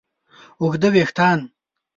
اوږده وېښتیان